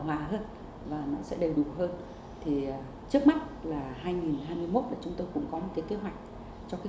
hòa hơn và nó sẽ đầy đủ hơn thì trước mắt là hai nghìn hai mươi một là chúng tôi cũng có một cái kế hoạch cho cái